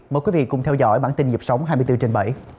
mời quý vị cùng theo dõi bản tin nhịp sống hai mươi bốn trên bảy